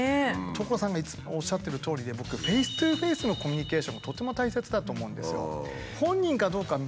所さんがおっしゃってるとおりで僕「フェイストゥフェイス」のコミュニケーションがとても大切だと思うんですよ。